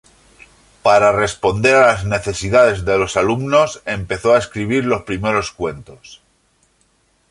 Para responder a las necesidades de los alumnos, empezó a escribir los primeros cuentos.